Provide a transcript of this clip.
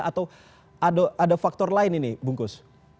atau ada faktor lain ini bungkus